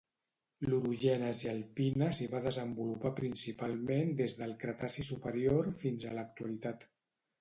L'orogènesi alpina s'hi va desenvolupar principalment des del Cretaci superior fins a l'actualitat.